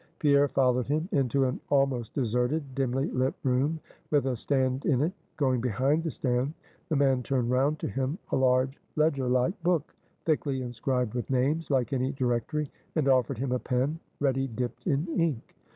Pierre followed him, into an almost deserted, dimly lit room with a stand in it. Going behind the stand, the man turned round to him a large ledger like book, thickly inscribed with names, like any directory, and offered him a pen ready dipped in ink.